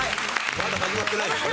まだ始まってないんですね。